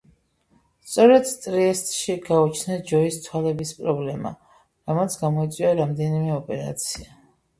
სწორედ ტრიესტში გაუჩნდა ჯოისს თვალების პრობლემა, რამაც გამოიწვია რამდენიმე ოპერაცია.